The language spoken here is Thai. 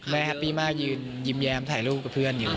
แม่ฮาปปี้มากยิ้มอะไรไหมถ่ายรูปกับเพื่อนอยู่